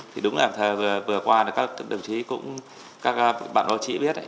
thì đúng là vừa qua là các đồng chí cũng các bạn báo chí biết